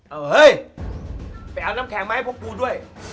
เอาเฮ้ยไปเอาน้ำแข็งมาให้พวกกูด้วย